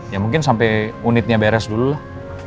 ya mungkin sampai unitnya beres dulu lah